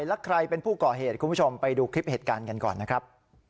แล้วใครเป็นผู้ก่อเหตุคุณผู้ชมไปดูคลิปเหตุการณ์กันก่อนนะครับ